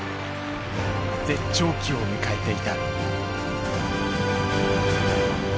絶頂期を迎えていた。